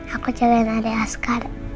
aku jangan ada askar